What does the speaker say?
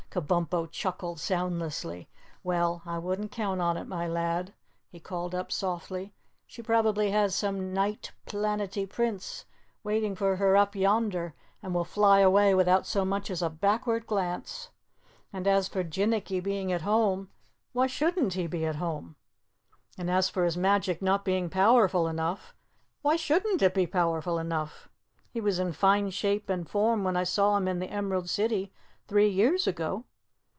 Kabumpo chuckled soundlessly. "Well, I wouldn't count on it, my lad," he called up softly. "She probably has some nite Planetty Prince waiting for her up yonder, and will fly away without so much as a backward glance. And as for Jinnicky being at home why shouldn't he be at home? And as for his magic not being powerful enough why shouldn't it be powerful enough? He was in fine shape and form when I saw him in the Emerald City three years ago.